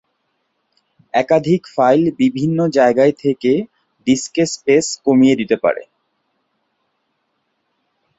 একাধিক ফাইল বিভিন্ন জায়গায় থেকে ডিস্কে স্পেস কমিয়ে দিতে পারে।